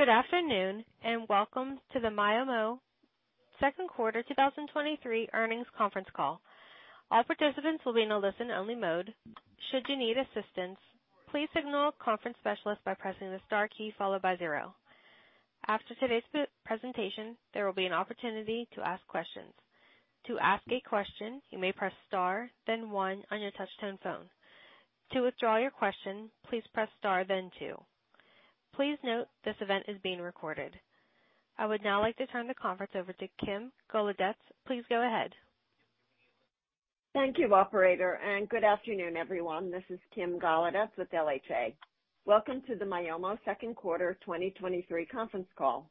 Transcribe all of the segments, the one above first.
Good afternoon, and welcome to the Myomo second quarter 2023 earnings conference call. All participants will be in a listen-only mode. Should you need assistance, please signal a conference specialist by pressing the star key followed by zero. After today's presentation, there will be an opportunity to ask questions. To ask a question, you may press star, then one on your touchtone phone. To withdraw your question, please press star, then two. Please note, this event is being recorded. I would now like to turn the conference over to Kim Golodetz. Please go ahead. Thank you, operator, and good afternoon, everyone. This is Kim Golodetz with LHA. Welcome to the Myomo second quarter 2023 conference call.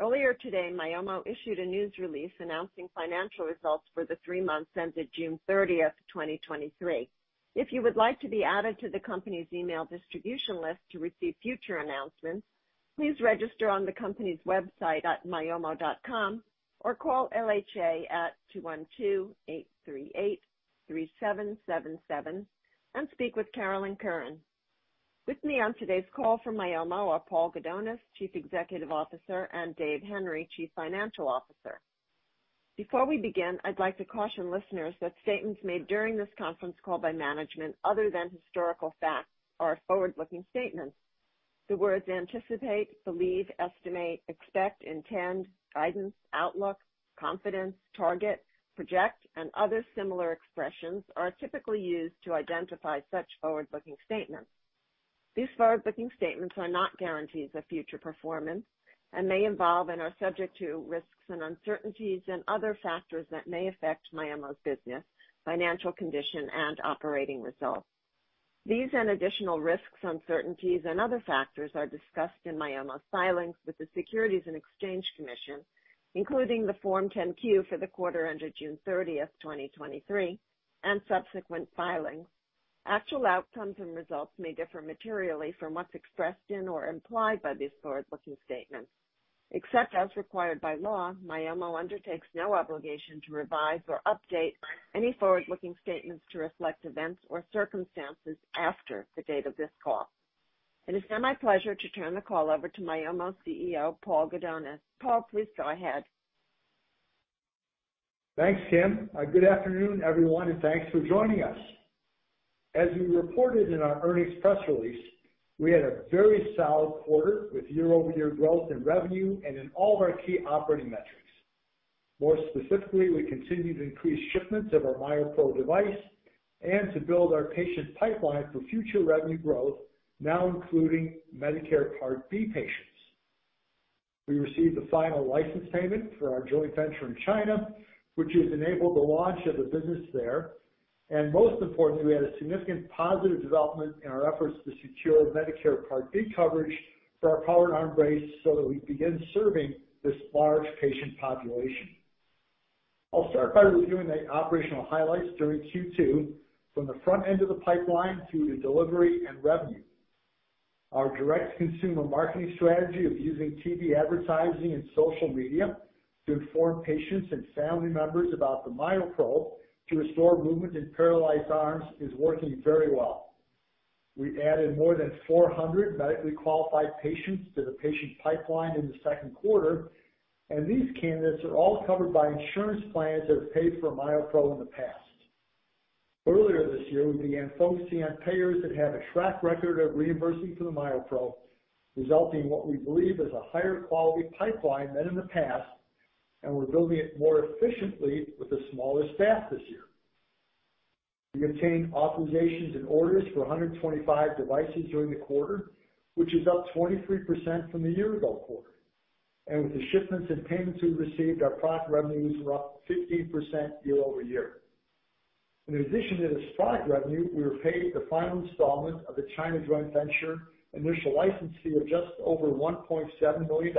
Earlier today, Myomo issued a news release announcing financial results for the three months ended June 30, 2023. If you would like to be added to the company's email distribution list to receive future announcements, please register on the company's website at myomo.com, or call LHA at 212-838-3777 and speak with Carolyn Curran. With me on today's call from Myomo are Paul Gudonis, Chief Executive Officer, and Dave Henry, Chief Financial Officer. Before we begin, I'd like to caution listeners that statements made during this conference call by management, other than historical facts, are forward-looking statements. The words anticipate, believe, estimate, expect, intend, guidance, outlook, confidence, target, project, and other similar expressions are typically used to identify such forward-looking statements. These forward-looking statements are not guarantees of future performance and may involve and are subject to risks and uncertainties and other factors that may affect Myomo's business, financial condition, and operating results. These and additional risks, uncertainties, and other factors are discussed in Myomo's filings with the Securities and Exchange Commission, including the Form 10-Q for the quarter ended June 30th, 2023, and subsequent filings. Actual outcomes and results may differ materially from what's expressed in or implied by these forward-looking statements. Except as required by law, Myomo undertakes no obligation to revise or update any forward-looking statements to reflect events or circumstances after the date of this call. It is now my pleasure to turn the call over to Myomo's CEO, Paul Gudonis. Paul, please go ahead. Thanks, Kim. Good afternoon, everyone, thanks for joining us. As we reported in our earnings press release, we had a very solid quarter with year-over-year growth in revenue and in all of our key operating metrics. More specifically, we continued to increase shipments of our MyoPro device and to build our patient pipeline for future revenue growth, now including Medicare Part B patients. We received the final license payment for our joint venture in China, which has enabled the launch of the business there. Most importantly, we had a significant positive development in our efforts to secure Medicare Part B coverage for our powered arm brace so that we begin serving this large patient population. I'll start by reviewing the operational highlights during Q2 from the front end of the pipeline through to delivery and revenue. Our direct consumer marketing strategy of using TV advertising and social media to inform patients and family members about the MyoPro to restore movement in paralyzed arms is working very well. We added more than 400 medically qualified patients to the patient pipeline in the second quarter, and these candidates are all covered by insurance plans that have paid for MyoPro in the past. Earlier this year, we began focusing on payers that have a track record of reimbursing for the MyoPro, resulting in what we believe is a higher quality pipeline than in the past, and we're building it more efficiently with a smaller staff this year. We obtained authorizations and orders for 125 devices during the quarter, which is up 23% from the year-ago quarter. With the shipments and payments we received, our product revenue was rough 15% year-over-year. In addition to this product revenue, we were paid the final installment of the China joint venture initial license fee of just over $1.7 billion,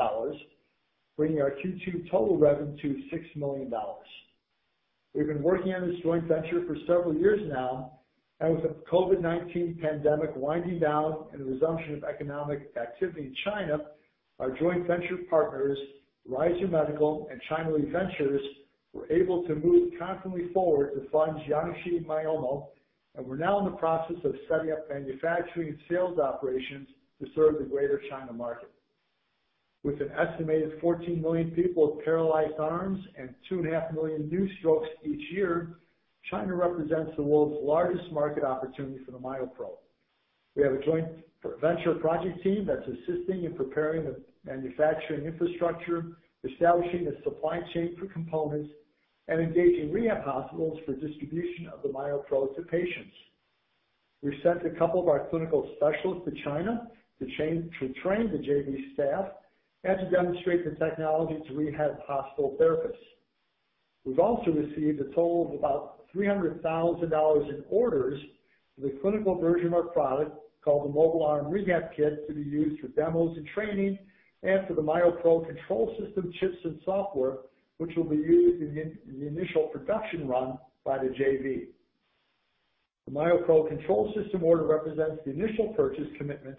bringing our Q2 total revenue to $6 million. We've been working on this joint venture for several years now, and with the COVID-19 pandemic winding down and the resumption of economic activity in China, our joint venture partners, Ryzur Medical and Chinaleaf Ventures, were able to move confidently forward to fund Jiangxi Myomo, and we're now in the process of setting up manufacturing and sales operations to serve the Greater China market. With an estimated 14 million people with paralyzed arms and 2.5 million new strokes each year, China represents the world's largest market opportunity for the MyoPro. We have a joint venture project team that's assisting in preparing the manufacturing infrastructure, establishing a supply chain for components, and engaging rehab hospitals for distribution of the MyoPro to patients. We've sent a couple of our clinical specialists to China to train the JV staff and to demonstrate the technology to rehab hospital therapists. We've also received a total of about $300,000 in orders for the clinical version of our product, called the Mobile Arm Rehabilitation Kit, to be used for demos and training, and for the MyoPro Control System chips and software, which will be used in the initial production run by the JV. The MyoPro Control System order represents the initial purchase commitment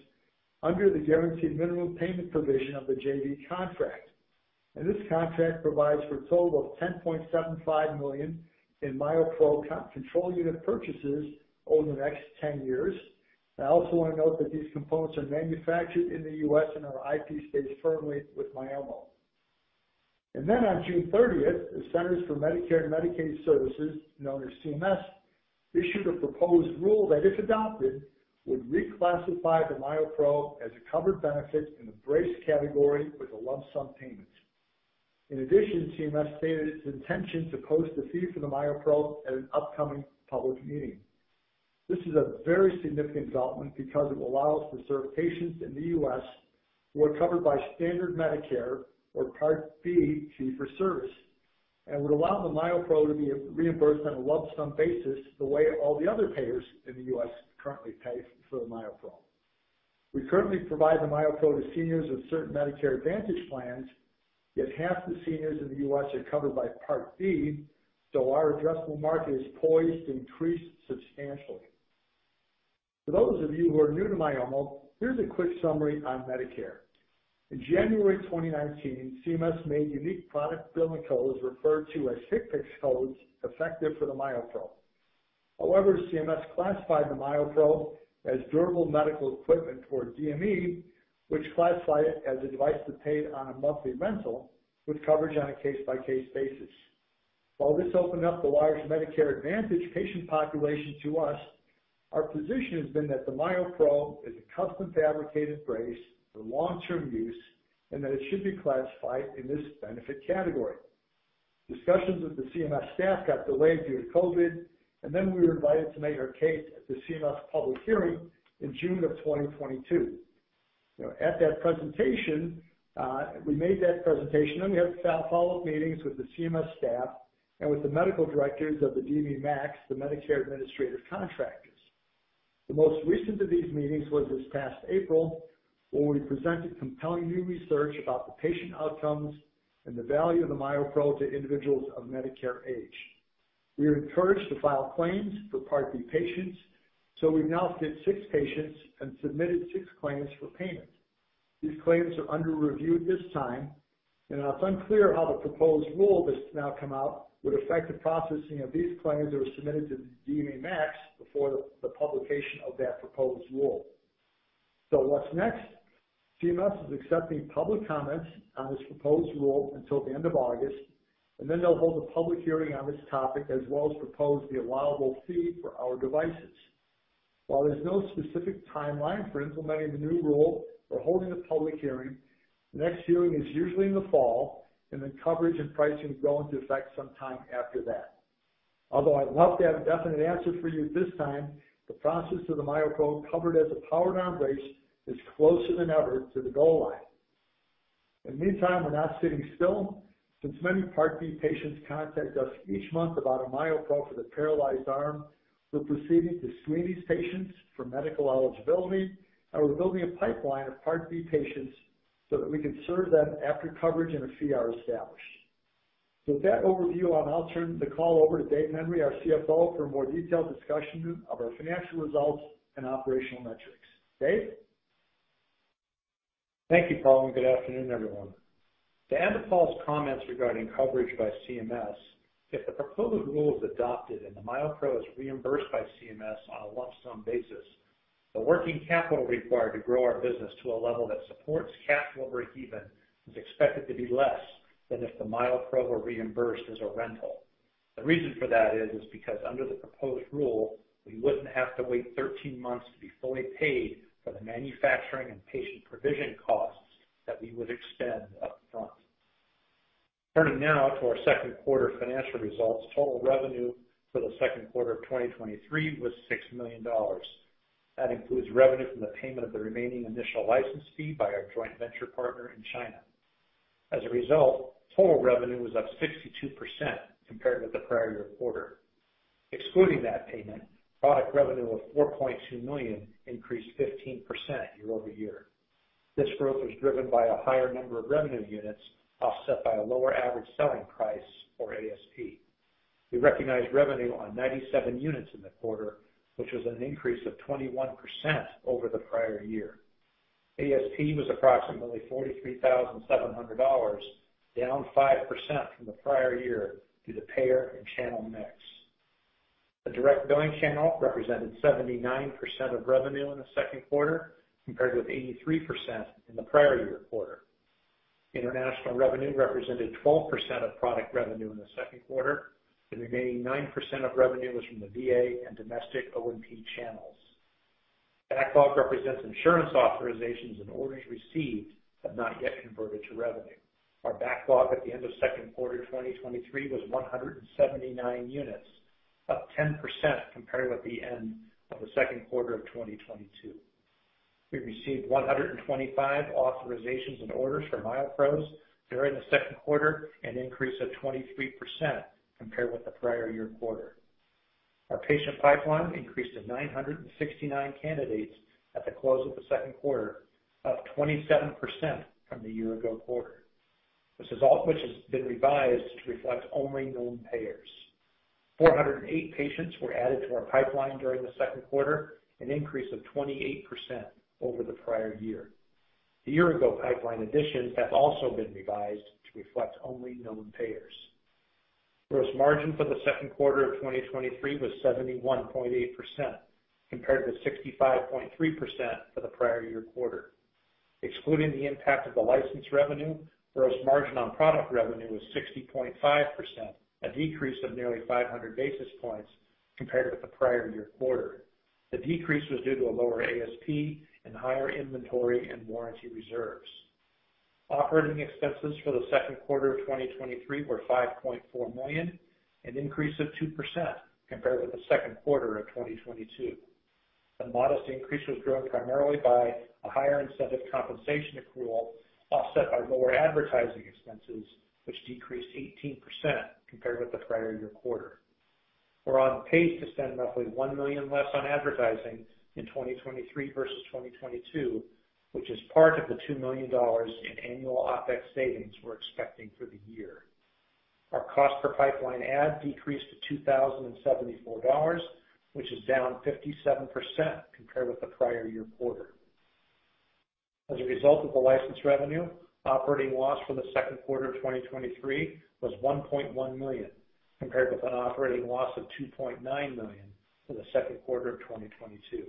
under the guaranteed minimum payment provision of the JV contract. This contract provides for a total of $10.75 million in MyoPro control unit purchases over the next 10 years. I also want to note that these components are manufactured in the US and our IP stays firmly with Myomo. On June thirtieth, the Centers for Medicare and Medicaid Services, known as CMS, issued a proposed rule that, if adopted, would reclassify the MyoPro as a covered benefit in the brace category with a lump sum payment. In addition, CMS stated its intention to post a fee for the MyoPro at an upcoming public meeting. This is a very significant development because it will allow us to serve patients in the US who are covered by standard Medicare or Part B, fee for service, and would allow the MyoPro to be reimbursed on a lump sum basis, the way all the other payers in the US currently pay for the MyoPro. We currently provide the MyoPro to seniors with certain Medicare Advantage plans, yet half the seniors in the U.S. are covered by Part B. Our addressable market is poised to increase substantially. For those of you who are new to Myomo, here's a quick summary on Medicare. In January 2019, CMS made unique product billing codes, referred to as HCPCS codes, effective for the MyoPro. CMS classified the MyoPro as durable medical equipment or DME, which classified it as a device to pay on a monthly rental with coverage on a case-by-case basis. While this opened up the largest Medicare Advantage patient population to us, our position has been that the MyoPro is a custom-fabricated brace for long-term use and that it should be classified in this benefit category. Discussions with the CMS staff got delayed due to COVID, and then we were invited to make our case at the CMS public hearing in June of 2022. At that presentation, we made that presentation, and we had follow-up meetings with the CMS staff and with the medical directors of the DME MACs, the Medicare Administrative Contractors. The most recent of these meetings was this past April, where we presented compelling new research about the patient outcomes and the value of the MyoPro to individuals of Medicare age. We were encouraged to file claims for Part B patients, so we've now fit six patients and submitted six claims for payment. These claims are under review at this time, and it's unclear how the proposed rule that's now come out would affect the processing of these claims that were submitted to the DME MACs before the publication of that proposed rule. What's next? CMS is accepting public comments on this proposed rule until the end of August, and then they'll hold a public hearing on this topic, as well as propose the allowable fee for our devices. While there's no specific timeline for implementing the new rule or holding a public hearing, the next hearing is usually in the fall, and then coverage and pricing go into effect sometime after that. Although I'd love to have a definite answer for you at this time, the process of the MyoPro covered as a powered arm brace is closer than ever to the goal line. In the meantime, we're not sitting still. Since many Part B patients contact us each month about a MyoPro for their paralyzed arm, we're proceeding to screen these patients for medical eligibility, and we're building a pipeline of Part B patients so that we can serve them after coverage and a fee are established. With that overview, I'll now turn the call over to Dave Henry, our CFO, for a more detailed discussion of our financial results and operational metrics. Dave? Thank you, Paul. Good afternoon, everyone. To add to Paul's comments regarding coverage by CMS, if the proposed rule is adopted and the MyoPro is reimbursed by CMS on a lump sum basis, the working capital required to grow our business to a level that supports cash flow breakeven is expected to be less than if the MyoPro were reimbursed as a rental. The reason for that is, is because under the proposed rule, we wouldn't have to wait 13 months to be fully paid for the manufacturing and patient provision costs that we would expend up front. Turning now to our second quarter financial results, total revenue for the second quarter of 2023 was $6 million. That includes revenue from the payment of the remaining initial license fee by our joint venture partner in China. As a result, total revenue was up 62% compared with the prior year quarter. Excluding that payment, product revenue of $4.2 million increased 15% year-over-year. This growth was driven by a higher number of revenue units, offset by a lower average selling price or ASP. We recognized revenue on 97 units in the quarter, which was an increase of 21% over the prior year. ASP was approximately $43,700, down 5% from the prior year due to payer and channel mix. The direct billing channel represented 79% of revenue in the second quarter, compared with 83% in the prior year quarter. International revenue represented 12% of product revenue in the second quarter. The remaining 9% of revenue was from the VA and domestic O&P channels. Backlog represents insurance authorizations and orders received, but not yet converted to revenue. Our backlog at the end of second quarter 2023 was 179 units, up 10% compared with the end of the second quarter of 2022. We received 125 authorizations and orders for MyoPros during the second quarter, an increase of 23% compared with the prior year quarter. Our patient pipeline increased to 969 candidates at the close of the second quarter, up 27% from the year-ago quarter. This is all, which has been revised to reflect only known payers. 408 patients were added to our pipeline during the second quarter, an increase of 28% over the prior year. The year-ago pipeline additions have also been revised to reflect only known payers. Gross margin for the second quarter of 2023 was 71.8%, compared with 65.3% for the prior year quarter. Excluding the impact of the license revenue, gross margin on product revenue was 60.5%, a decrease of nearly 500 basis points compared with the prior year quarter. The decrease was due to a lower ASP and higher inventory and warranty reserves. Operating expenses for the second quarter of 2023 were $5.4 million, an increase of 2% compared with the second quarter of 2022. The modest increase was driven primarily by a higher incentive compensation accrual, offset by lower advertising expenses, which decreased 18% compared with the prior year quarter. We're on pace to spend roughly $1 million less on advertising in 2023 versus 2022, which is part of the $2 million in annual OpEx savings we're expecting for the year. Our cost per pipeline ad decreased to $2,074, which is down 57% compared with the prior year quarter. As a result of the license revenue, operating loss for the second quarter of 2023 was $1.1 million, compared with an operating loss of $2.9 million for the second quarter of 2022.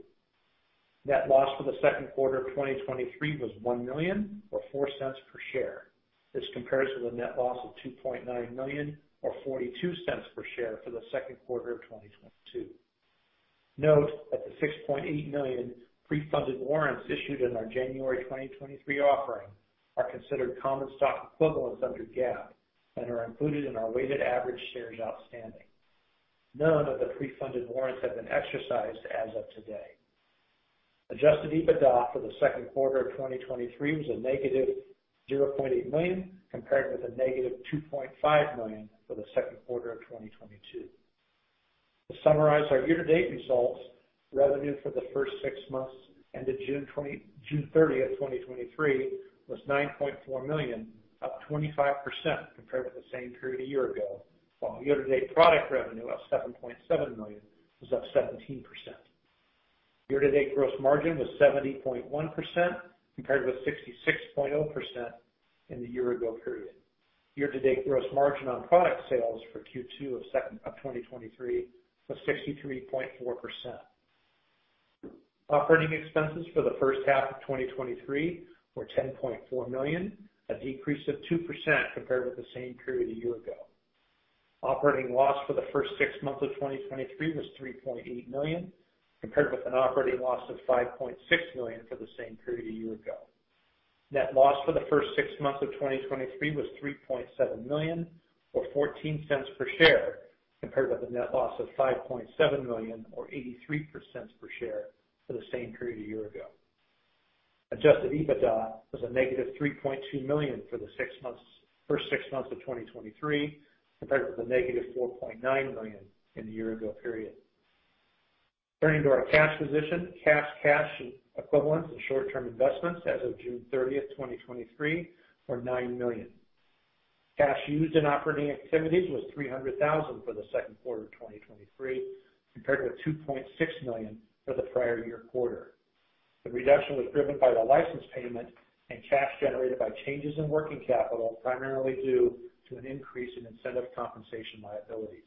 Net loss for the second quarter of 2023 was $1 million, or $0.04 per share. This compares with a net loss of $2.9 million, or $0.42 per share for the second quarter of 2022. Note that the $6.8 million pre-funded warrants issued in our January 2023 offering are considered common stock equivalents under GAAP and are included in our weighted average shares outstanding. None of the pre-funded warrants have been exercised as of today. Adjusted EBITDA for the second quarter of 2023 was -$0.8 million, compared with -$2.5 million for the second quarter of 2022. To summarize our year-to-date results, revenue for the first six months ended June 30, 2023, was $9.4 million, up 25% compared with the same period a year ago, while year-to-date product revenue of $7.7 million was up 17%. Year-to-date gross margin was 70.1%, compared with 66.0% in the year-ago period. Year-to-date gross margin on product sales for Q2 of 2023 was 63.4%. Operating expenses for the first half of 2023 were $10.4 million, a decrease of 2% compared with the same period a year ago. Operating loss for the first six months of 2023 was $3.8 million, compared with an operating loss of $5.6 million for the same period a year ago. Net loss for the first six months of 2023 was $3.7 million, or $0.14 per share, compared with a net loss of $5.7 million or 83% per share for the same period a year ago. Adjusted EBITDA was a -$3.2 million for the first six months of 2023, compared with a -$4.9 milion in the year-ago period. Turning to our cash position. Cash, cash equivalents, and short-term investments as of June 30th, 2023, were $9 million. Cash used in operating activities was $300,000 for the second quarter of 2023, compared with $2.6 million for the prior year quarter. The reduction was driven by the license payment and cash generated by changes in working capital, primarily due to an increase in incentive compensation liabilities.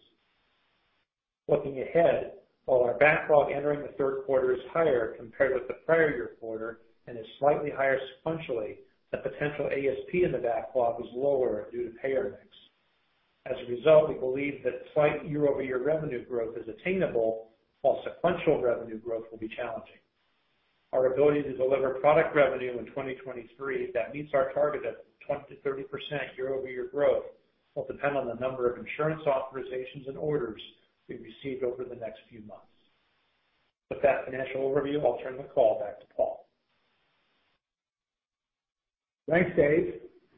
Looking ahead, while our backlog entering the third quarter is higher compared with the prior year quarter and is slightly higher sequentially, the potential ASP in the backlog is lower due to payer mix. As a result, we believe that slight year-over-year revenue growth is attainable, while sequential revenue growth will be challenging. Our ability to deliver product revenue in 2023 that meets our target of 20%-30% year-over-year growth will depend on the number of insurance authorizations and orders we've received over the next few months. With that financial overview, I'll turn the call back to Paul. Thanks, Dave.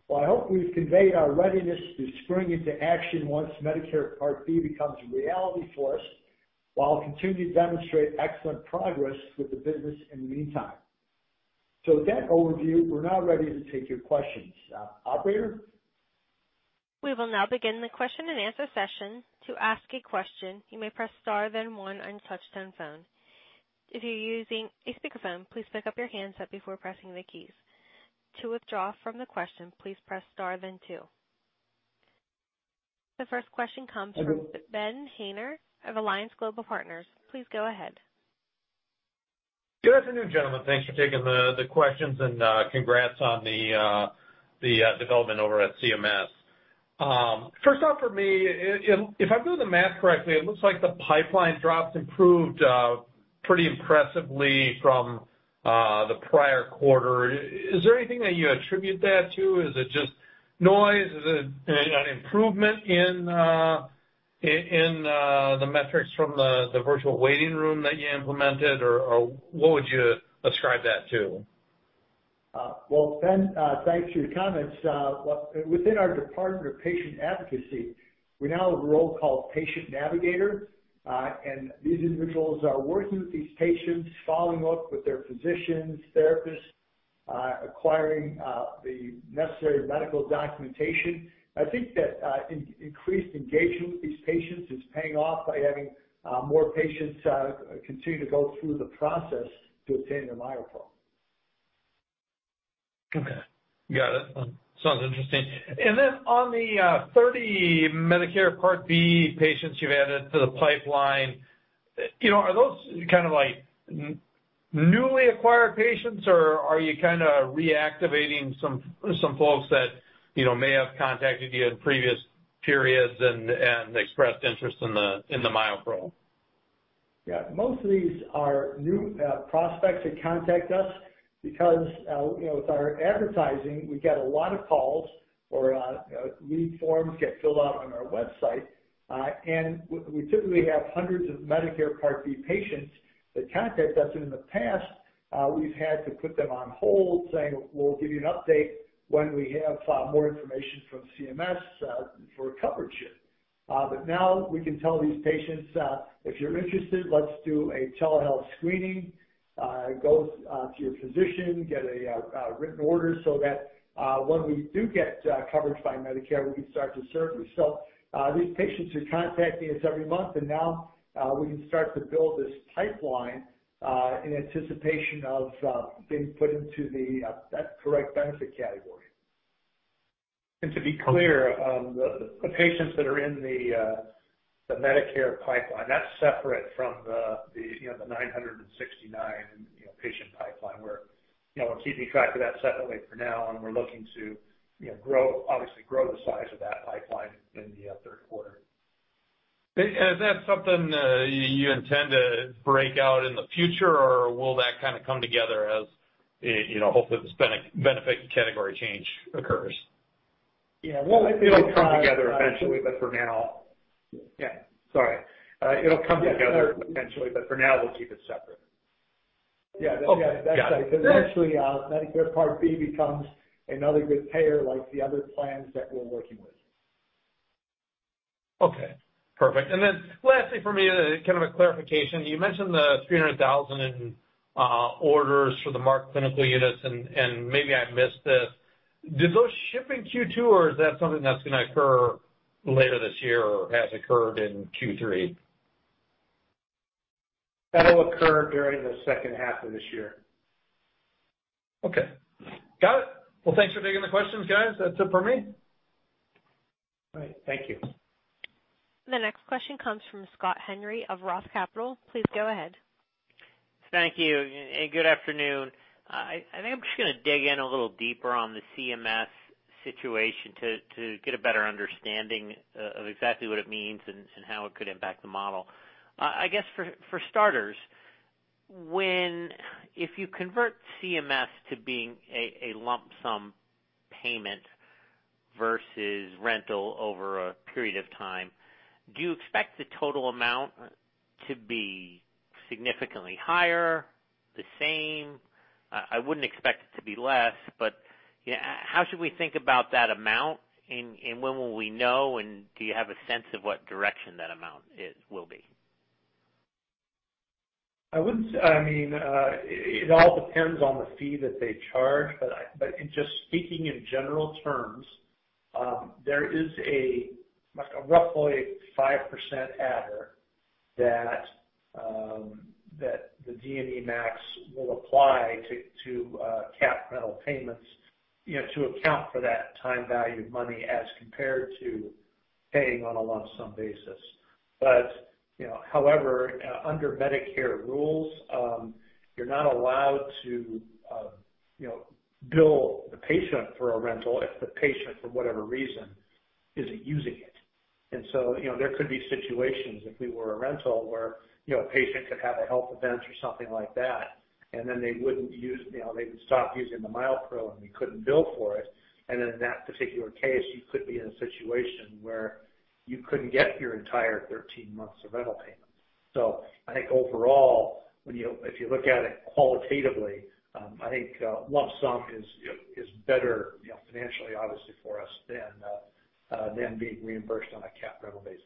Well, I hope we've conveyed our readiness to spring into action once Medicare Part B becomes a reality for us, while continuing to demonstrate excellent progress with the business in the meantime. With that overview, we're now ready to take your questions. Operator? We will now begin the question-and-answer session. To ask a question, you may press star, then one on your touchtone phone. If you're using a speakerphone, please pick up your handset before pressing the keys. To withdraw from the question, please press star then two. The first question comes from Ben Haynor of Alliance Global Partners. Please go ahead. Good afternoon, gentlemen. Thanks for taking the questions, and congrats on the development over at CMS. First off, for me, if I'm doing the math correctly, it looks like the pipeline drops improved pretty impressively from the prior quarter. Is there anything that you attribute that to? Is it just noise? Is it an improvement in the metrics from the virtual waiting room that you implemented? Or what would you ascribe that to? Well, Ben, thanks for your comments. Well, within our Department of Patient Advocacy, we now have a role called patient navigator, and these individuals are working with these patients, following up with their physicians, therapists, acquiring the necessary medical documentation. I think that increased engagement with these patients is paying off by having more patients continue to go through the process to obtain their MyoPro. Okay. Got it. Sounds interesting. On the 30 Medicare Part B patients you've added to the pipeline, you know, are those kind of like, newly acquired patients, or are you kind of reactivating some, some folks that, you know, may have contacted you in previous periods and, and expressed interest in the, in the MyoPro? Yeah, most of these are new prospects that contact us because, you know, with our advertising, we get a lot of calls or lead forms get filled out on our website. We typically have hundreds of Medicare Part B patients that contact us, and in the past, we've had to put them on hold, saying, "We'll give you an update when we have more information from CMS for coverage ship." But now we can tell these patients, "If you're interested, let's do a telehealth screening. Go to your physician, get a written order so that when we do get coverage by Medicare, we can start to serve you." These patients are contacting us every month, and now, we can start to build this pipeline in anticipation of being put into that correct benefit category. To be clear, the patients that are in the Medicare pipeline, that's separate from the, you know, the 969, you know, patient pipeline, where, you know, we're keeping track of that separately for now, and we're looking to, you know, obviously grow the size of that pipeline in the third quarter. Is, is that something, you intend to break out in the future, or will that kind of come together as, you know, hopefully, this benefit category change occurs? Yeah, well, I think- It'll come together eventually, but for now... Yeah, sorry. It'll come together eventually, but for now, we'll keep it separate. Yeah. Okay. Got it. That's right. Eventually, Medicare Part B becomes another good payer like the other plans that we're working with. Okay, perfect. Lastly for me, kind of a clarification. You mentioned the $300,000 in orders for the MARK clinical units, and maybe I missed this. Did those ship in Q2, or is that something that's gonna occur later this year or has occurred in Q3? That'll occur during the second half of this year. Okay. Got it. Thanks for taking the questions, guys. That's it for me. All right. Thank you. The next question comes from Scott Henry of Roth Capital. Please go ahead. Thank you, and good afternoon. I, I think I'm just gonna dig in a little deeper on the CMS situation to, to get a better understanding of exactly what it means and, and how it could impact the model. I guess for, for starters, when, if you convert CMS to being a, a lump sum payment versus rental over a period of time, do you expect the total amount to be significantly higher, the same? I wouldn't expect it to be less, but, you how should we think about that amount, and, and when will we know, and do you have a sense of what direction that amount is, will be? I wouldn't say... I mean, it, it all depends on the fee that they charge, but in just speaking in general terms, there is a, like, a roughly 5% adder that the DME MACs will apply to, to, capped rental payments, you know, to account for that time value of money as compared to paying on a lump sum basis. You know, however, under Medicare rules, you're not allowed to, you know, bill the patient for a rental if the patient, for whatever reason, isn't using it. You know, there could be situations, if we were a rental, where, you know, a patient could have a health event or something like that, and then they wouldn't use, you know, they would stop using the MyoPro, and we couldn't bill for it. In that particular case, you could be in a situation where you couldn't get your entire 13 months of rental payment. I think overall, when you, if you look at it qualitatively, I think lump sum is, is better, you know, financially, obviously, for us than being reimbursed on a capped rental basis.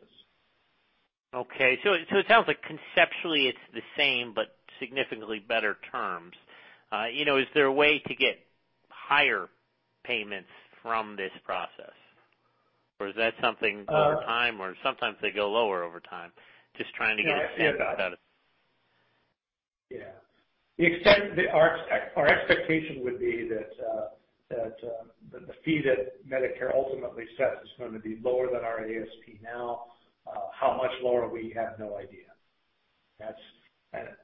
Okay, it sounds like conceptually it's the same, but significantly better terms. you know, is there a way to get higher payments from this process, or is that something... Uh- over time, or sometimes they go lower over time? Just trying to get- Yeah, I see that. understand about it. Yeah. Our expectation would be that, that, the, the fee that Medicare ultimately sets is going to be lower than our ASP now. How much lower? We have no idea.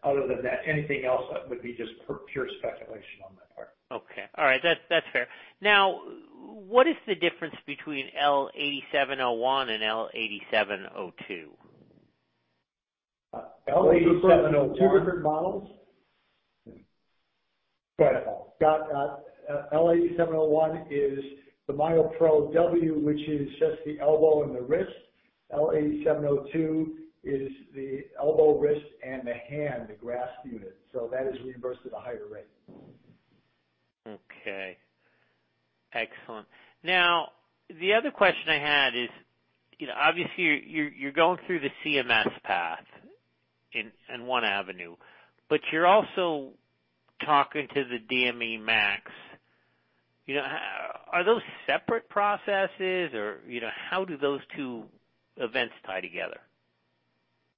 Other than that, anything else, would be just pure speculation on my part. Okay. All right. That, that's fair. Now, what is the difference between L8701 and L8702? L8701- Two different models? Go ahead, Scott. L8701 is the MyoPro W, which is just the elbow and the wrist. L8702 is the elbow, wrist, and the hand, the grasp unit, so that is reimbursed at a higher rate. Okay. Excellent. The other question I had is, you know, obviously, you're, you're going through the CMS path in one avenue, but you're also talking to the DME MACs. You know, are those separate processes or, you know, how do those two events tie together?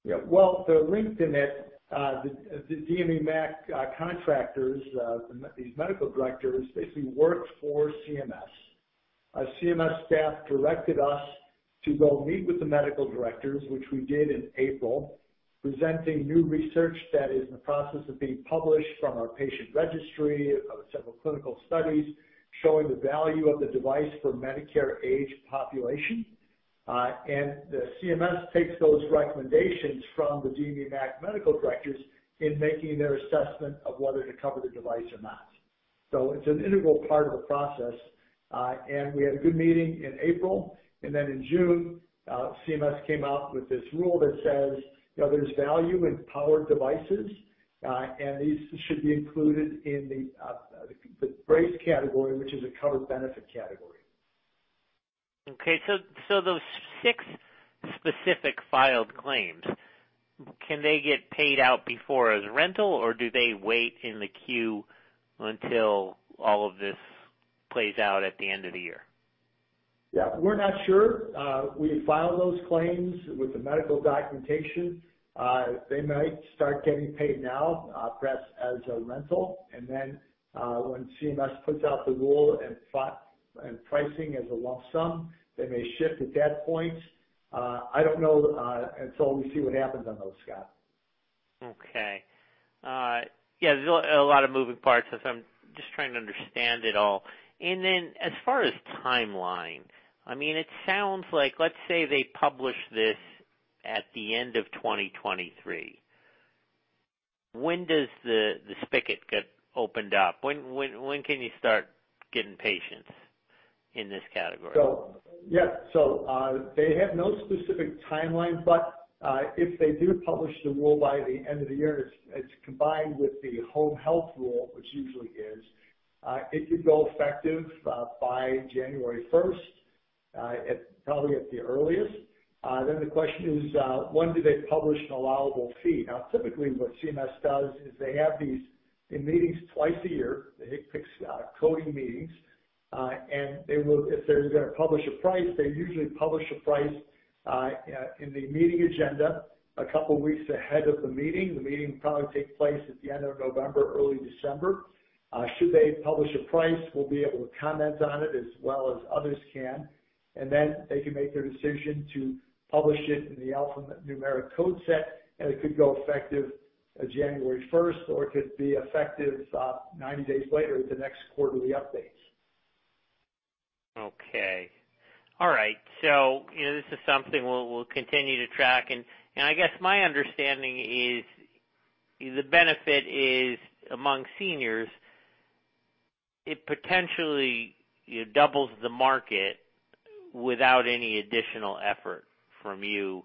Yeah. Well, the link to that, the, the DME MAC contractors, these medical directors, basically work for CMS. CMS staff directed us to go meet with the medical directors, which we did in April, presenting new research that is in the process of being published from our patient registry, of several clinical studies, showing the value of the device for Medicare age population. The CMS takes those recommendations from the DME MAC medical directors in making their assessment of whether to cover the device or not. It's an integral part of the process, and we had a good meeting in April, and then in June, CMS came out with this rule that says, you know, there's value in powered devices, and these should be included in the, the brace category, which is a covered benefit category. Okay, those six specific filed claims, can they get paid out before as rental, or do they wait in the queue until all of this plays out at the end of the year? Yeah, we're not sure. We filed those claims with the medical documentation. They might start getting paid now, perhaps as a rental. Then, when CMS puts out the rule and pricing as a lump sum, they may shift at that point. I don't know, until we see what happens on those, Scott. Okay. Yeah, there's a lot of moving parts, so I'm just trying to understand it all. As far as timeline, I mean, it sounds like let's say they publish this at the end of 2023, when does the, the spigot get opened up? When, when, when can you start getting patients in this category? Yeah. They have no specific timeline, but if they do publish the rule by the end of the year, and it's, it's combined with the Home Health Rule, which usually is, it could go effective by January 1st, at probably at the earliest. The question is, when do they publish an allowable fee? Typically, what CMS does is they have these, the meetings twice a year. They pick coding meetings, and they will. If they're gonna publish a price, they usually publish a price in the meeting agenda a couple weeks ahead of the meeting. The meeting will probably take place at the end of November, early December. Should they publish a price, we'll be able to comment on it as well as others can, and then they can make their decision to publish it in the alphanumeric code set, and it could go effective, January 1st, or it could be effective, 90 days later at the next quarterly updates. Okay. All right. you know, this is something we'll, we'll continue to track. I guess my understanding is, the benefit is among seniors, it potentially, it doubles the market without any additional effort from you,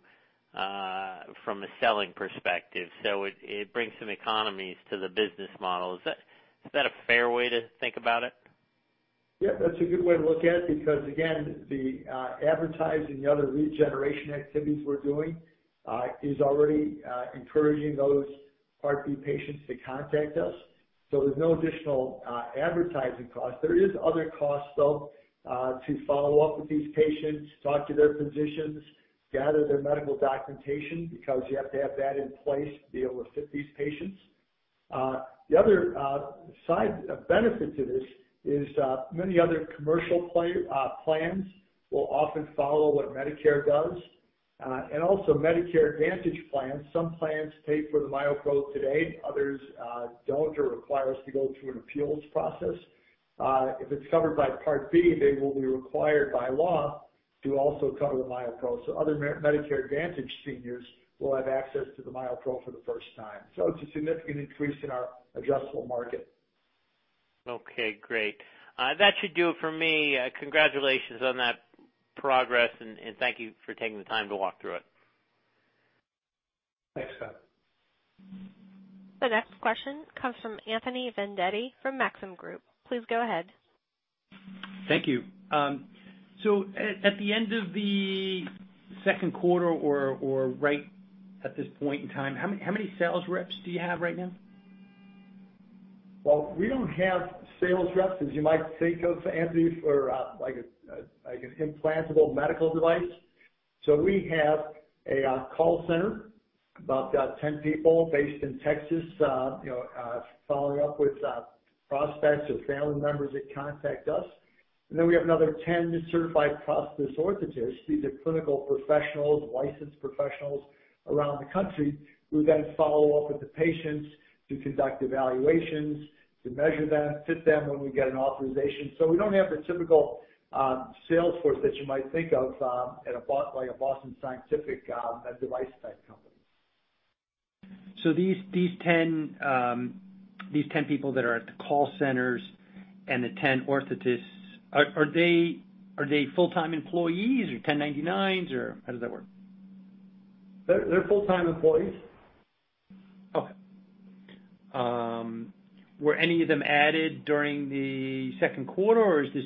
from a selling perspective, so it, it brings some economies to the business model. Is that, is that a fair way to think about it? Yeah, that's a good way to look at it, because, again, the advertising and the other lead generation activities we're doing is already encouraging those Part B patients to contact us, so there's no additional advertising costs. There is other costs, though, to follow up with these patients, talk to their physicians, gather their medical documentation, because you have to have that in place to be able to fit these patients. The other side benefit to this is many other commercial plans will often follow what Medicare does. And also Medicare Advantage plans. Some plans pay for the MyoPro today, others don't or require us to go through an appeals process. If it's covered by Part B, they will be required by law to also cover the MyoPro, so other Med- Medicare Advantage seniors will have access to the MyoPro for the first time. It's a significant increase in our addressable market. Okay, great. That should do it for me. Congratulations on that progress, and thank you for taking the time to walk through it. Thanks, Scott. The next question comes from Anthony Vendetti from Maxim Group. Please go ahead. Thank you. At the end of the second quarter or right at this point in time, how many sales reps do you have right now? Well, we don't have sales reps, as you might think of, Anthony, for like a, like an implantable medical device. We have a call center, about 10 people based in Texas, you know, following up with prospects or family members that contact us. We have another 10 Certified Prosthetist Orthotists. These are clinical professionals, licensed professionals around the country, who then follow up with the patients to conduct evaluations, to measure them, fit them when we get an authorization. We don't have the typical sales force that you might think of, at a like a Boston Scientific, a device-type company. These, these 10, these 10 people that are at the call centers and the 10 orthotists, are, are they, are they full-time employees or 1099s or how does that work? They're, they're full-time employees. Okay. Were any of them added during the second quarter, or is this,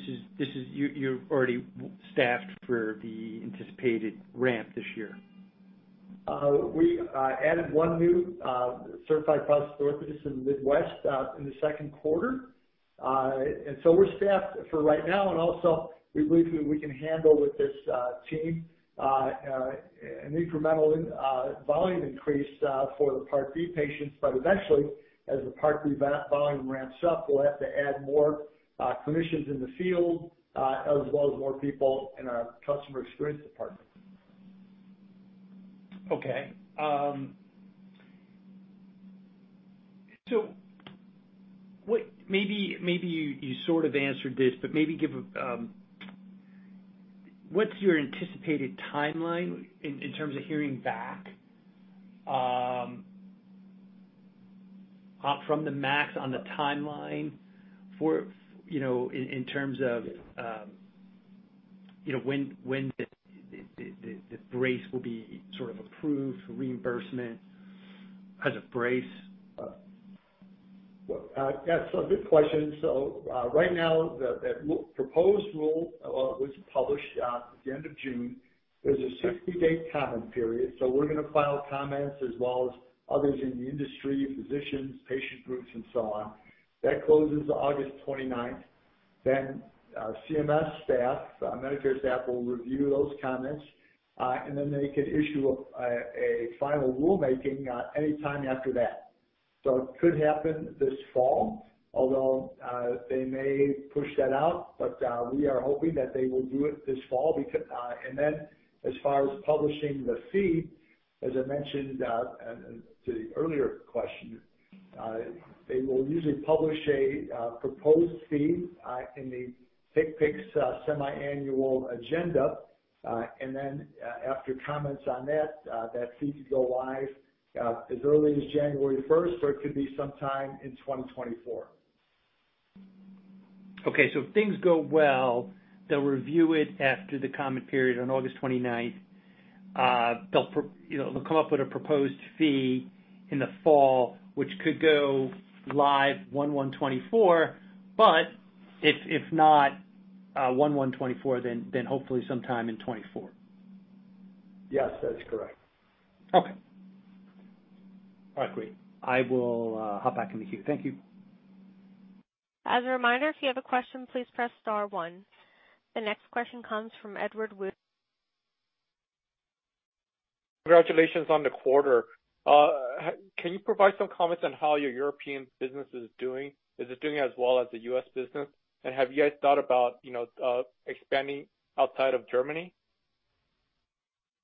you're already staffed for the anticipated ramp this year? We added one new certified prosthetist in the Midwest in the second quarter. We're staffed for right now, and also we believe we can handle with this team an incremental volume increase for the Part B patients. Eventually, as the Part B volume ramps up, we'll have to add more clinicians in the field, as well as more people in our customer experience department. Okay. maybe, maybe you, you sort of answered this, but maybe give, what's your anticipated timeline in terms of hearing back from the MAC on the timeline for, you know, in terms of, you know, when, when the, the, the, the brace will be sort of approved for reimbursement as a brace? Well, that's a good question. Right now, the w- proposed rule, was published, at the end of June. There's a 60-day comment period, so we're gonna file comments as well as others in the industry, physicians, patient groups, and so on. That closes August 29th. CMS staff, Medicare staff, will review those comments, and then they can issue a final rulemaking, anytime after that. It could happen this fall, although, they may push that out, but, we are hoping that they will do it this fall. As far as publishing the fee, as I mentioned, at the earlier question, they will usually publish a proposed fee in the HCPCS semiannual agenda, and then after comments on that, that fee could go live as early as January 1st, or it could be sometime in 2024. Okay, if things go well, they'll review it after the comment period on August 29th. They'll you know, they'll come up with a proposed fee in the fall, which could go live 1/1/2024, but if, if not, 1/1/2024, then, then hopefully sometime in 2024. Yes, that's correct. Okay. All right, great. I will hop back in the queue. Thank you. As a reminder, if you have a question, please press star one. The next question comes from Edward Woo. Congratulations on the quarter. Can you provide some comments on how your European business is doing? Is it doing as well as the U.S. business? Have you guys thought about, you know, expanding outside of Germany?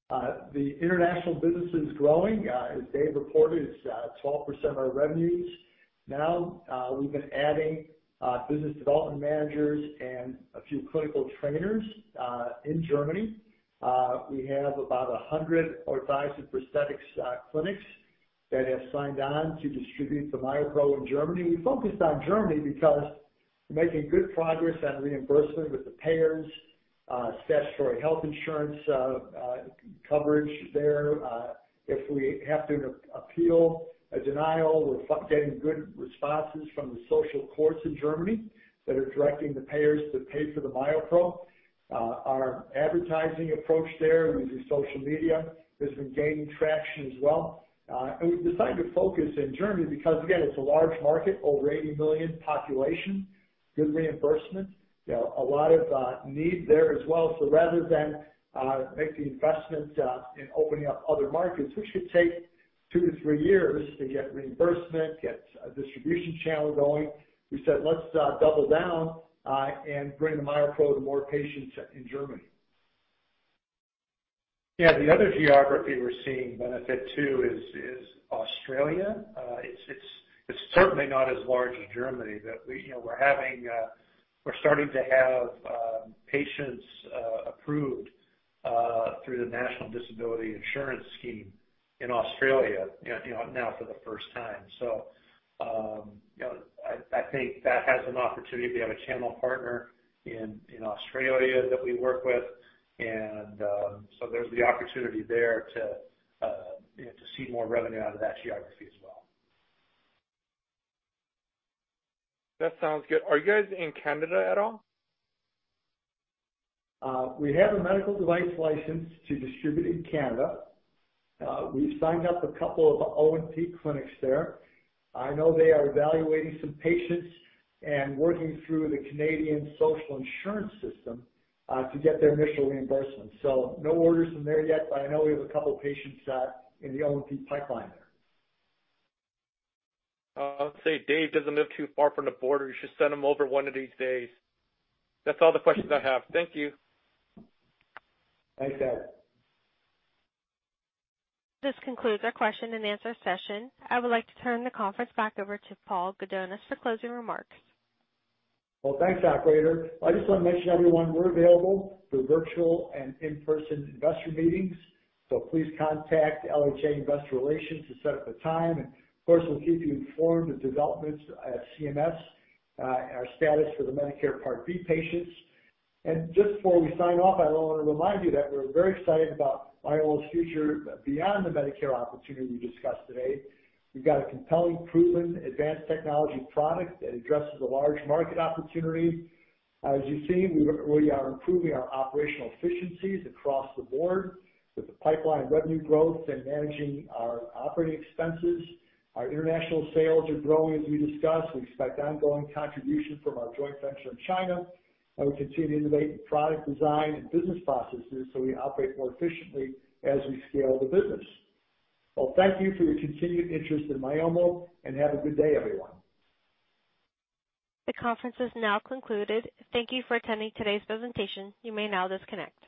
The international business is growing. As Dave reported, it's 12% of our revenues. Now, we've been adding business development managers and a few clinical trainers in Germany. We have about 100 orthotics and prosthetics clinics that have signed on to distribute the MyoPro in Germany. We focused on Germany because we're making good progress on reimbursement with the payers, statutory health insurance coverage there. If we have to appeal a denial, we're getting good responses from the social courts in Germany that are directing the payers to pay for the MyoPro. Our advertising approach there using social media has been gaining traction as well. We've decided to focus in Germany because, again, it's a large market, over 80 million population, good reimbursement, you know, a lot of need there as well. Rather than make the investment in opening up other markets, which could take two to three years to get reimbursement, get a distribution channel going, we said let's double down and bring the MyoPro to more patients in Germany. Yeah, the other geography we're seeing benefit too is, is Australia. It's, it's, it's certainly not as large as Germany, but we, you know, we're having, we're starting to have patients approved through the National Disability Insurance Scheme in Australia, you know, now for the first time. You know, I, I think that has an opportunity. We have a channel partner in, in Australia that we work with, and, so there's the opportunity there to, you know, to see more revenue out of that geography as well. That sounds good. Are you guys in Canada at all? We have a medical device license to distribute in Canada. We've signed up a couple of O&P clinics there. I know they are evaluating some patients and working through the Canadian Social Insurance system to get their initial reimbursement. No orders from there yet, but I know we have a couple patients in the O&P pipeline there. I'd say Dave doesn't live too far from the border. You should send him over one of these days. That's all the questions I have. Thank you. Thanks, Ed. This concludes our question and answer session. I would like to turn the conference back over to Paul Gudonis for closing remarks. Well, thanks, operator. I just want to mention everyone, we're available for virtual and in-person investor meetings, so please contact LHA Investor Relations to set up a time. Of course, we'll keep you informed of developments at CMS, our status for the Medicare Part B patients. Just before we sign off, I want to remind you that we're very excited about Myomo's future beyond the Medicare opportunity we discussed today. We've got a compelling, proven advanced technology product that addresses a large market opportunity. As you've seen, we are improving our operational efficiencies across the board with the pipeline revenue growth and managing our operating expenses. Our international sales are growing, as we discussed. We expect ongoing contribution from our joint venture in China, and we continue to innovate in product design and business processes, so we operate more efficiently as we scale the business. Well, thank you for your continued interest in Myomo, and have a good day, everyone. The conference is now concluded. Thank You for attending today's presentation. You may now disconnect.